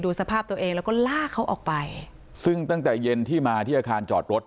สภาพตัวเองแล้วก็ลากเขาออกไปซึ่งตั้งแต่เย็นที่มาที่อาคารจอดรถ